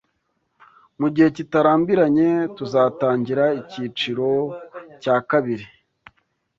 mu gihe kitarambiranye tuzatangira icyiciro cya kabiri